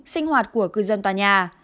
sinh hoạt của cư dân tòa nhà